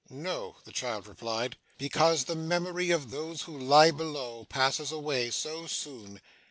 'No,' the child replied. 'Because the memory of those who lie below, passes away so soon.